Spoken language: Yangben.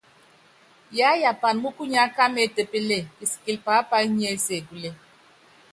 Yiáyapan múkunya kámɛ étépeple, kisikilɛ pápayo nyiɛ́ ésekúle.